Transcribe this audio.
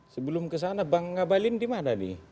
sebelum kesana bang ngabalin di mana nih